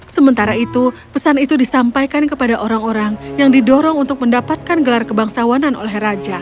sementara itu pesan itu disampaikan kepada orang orang yang didorong untuk mendapatkan gelar kebangsawanan oleh raja